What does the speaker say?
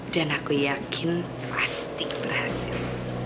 dan aku yakin pasti berhasil